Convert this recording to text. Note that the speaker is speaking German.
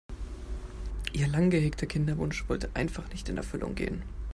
Ihr lang gehegter Kinderwunsch wollte einfach nicht in Erfüllung gehen.